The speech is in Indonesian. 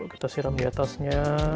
kita siram diatasnya